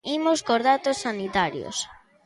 Imos cos datos sanitarios.